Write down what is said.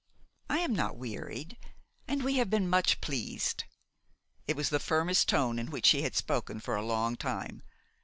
'I am not wearied; and we have been much pleased.' It was the firmest tone in which she had spoken for a long time.